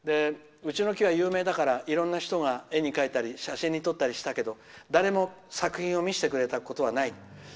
うちの木は有名だからいろんな人が絵に描いたり写真に撮ったりしたけど誰も作品を見せてくれたことはない。